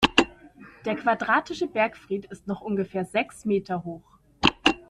Der quadratische Bergfried ist noch ungefähr sechs Meter hoch.